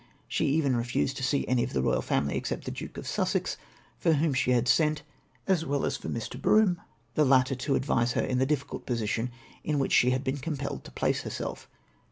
She even refused to see any of the royal family except the Duke of Sussex, for whom she had sent, as well as for Mr. Brougham, the latter to advise her in the difficult position in which she had been compelled to place herself.